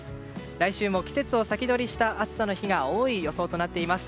来週も季節を先取りした暑さの日が多い予想となっています。